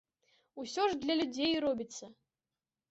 Усё ж для людзей робіцца.